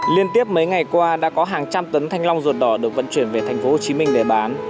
liên tiếp mấy ngày qua đã có hàng trăm tấn thanh long ruột đỏ được vận chuyển về thành phố hồ chí minh để bán